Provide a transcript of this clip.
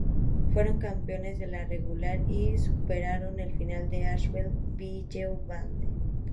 Fueron campeones de la regular y superaron en la final al Asvel Villeurbanne.